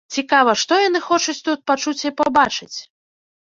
Цікава, што яны хочуць тут пачуць і пабачыць?